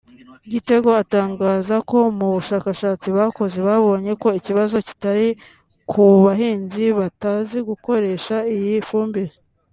Gitego atangaza ko mu bushakashatsi bakoze babonye ko ikibazo kitari ku bahinzi batazi gukoresha iyi fumbire